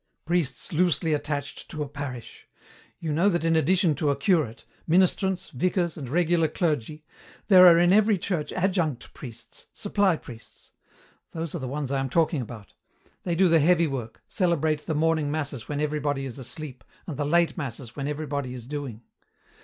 "Priests loosely attached to a parish. You know that in addition to a curate, ministrants, vicars, and regular clergy, there are in every church adjunct priests, supply priests. Those are the ones I am talking about. They do the heavy work, celebrate the morning masses when everybody is asleep and the late masses when everybody is doing.